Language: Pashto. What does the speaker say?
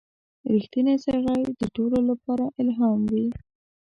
• رښتینی سړی د ټولو لپاره الهام وي.